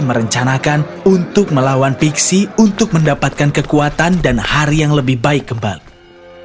merencanakan untuk melawan pixi untuk mendapatkan kekuatan dan hari yang lebih baik kembali